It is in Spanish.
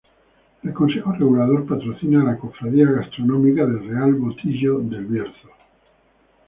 El Consejo Regulador patrocina a la Cofradía Gastronómica del Real Botillo del Bierzo.